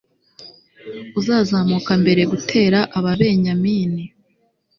uzazamuka mbere gutera ababenyamini